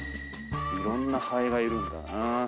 いろんなハエがいるんだな。